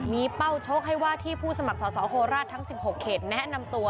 มีเป้าชกให้ว่าที่ผู้สมัครสอสอโคราชทั้ง๑๖เขตแนะนำตัว